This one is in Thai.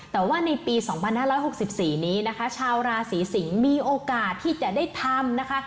แต่ว่าในปี๒๕๖๔นี้นะคะชาวราศีสิงศ์มีโอกาสที่จะได้ทำนะคะ